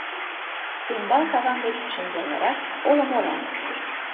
Тембал каван деч шеҥгелнырак олым ора.